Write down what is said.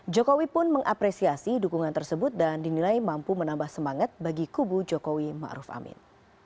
jokowi pun mengapresiasi dukungan tersebut dan dinilai mampu menambah semangat bagi kubu jokowi ⁇ maruf ⁇ amin